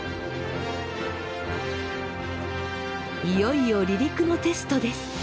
いよいよ離陸のテストです。